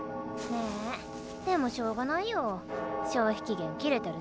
ねでもしょうがないよ消費期限切れてるし。